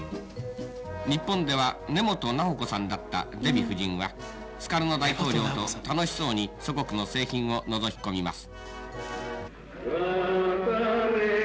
日本では根本七保子さんだったデヴィ夫人はスカルノ大統領と楽しそうに祖国の製品をのぞき込みます。